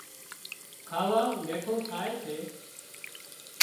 کاوا مينٺون ٿائي سي